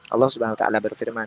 allah subhanahu wa ta'ala berfirman